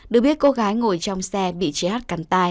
được biết cô gái ngồi trong xe bị chị hát cắn tay